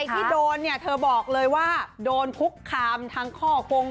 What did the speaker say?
ที่โดนเนี่ยเธอบอกเลยว่าโดนคุกคามทั้งข้อคง